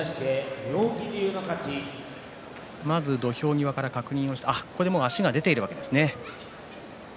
まず、土俵際から確認をしてもう足が出ているわけですね。